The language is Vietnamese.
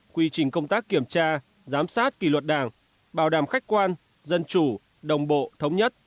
quy trình công tác kiểm tra giám sát kỳ luật đảng bảo đảm khách quan dân chủ đồng bộ thống nhất